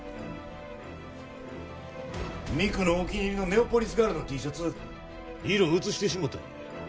美久のお気に入りの『ネオポリスガール』のＴシャツ色移してしもうたんや。